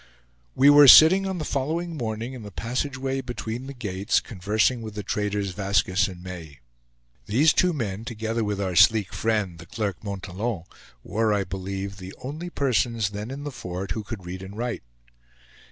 We were sitting, on the following morning, in the passage way between the gates, conversing with the traders Vaskiss and May. These two men, together with our sleek friend, the clerk Montalon, were, I believe, the only persons then in the fort who could read and write.